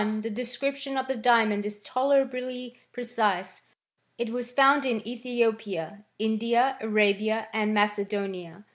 The description of the diamond is tolerably pre^ cise. It was found in Ethiopia, India, Arabia, and Macedonia.